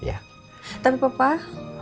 saya selalu mengingati